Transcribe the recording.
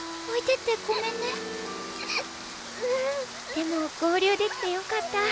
でも合流できてよかった。